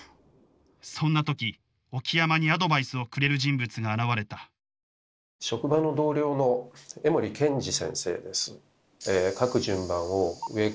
そんなとき沖山にアドバイスをくれる人物が現れた職場の同僚の江守賢治先生です。